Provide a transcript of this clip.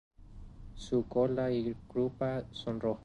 Su cola y grupa son rojas.